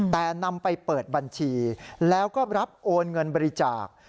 แต่นำไปเปิดบัญชีแล้วก็รับโอนเงินบริจาค